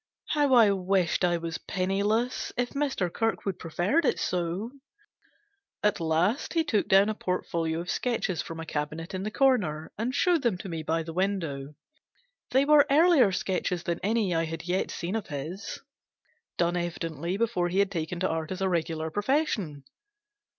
How I wished I was penniless if Mr. Kirkwood preferred it so ! At last he took down a portfolio of sketches from a cabinet in the corner, and showed them to me by the window. They were earlier sketches than any I had yet seen of his done evidently before he had taken to art as a regular profession.